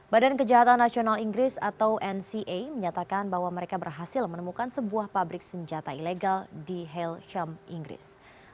badan kejahatan nasional inggris atau nca menyatakan bahwa mereka berhasil menemukan sebuah pabrik senjata ilegal di hel sham inggris